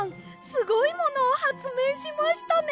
すごいものをはつめいしましたね。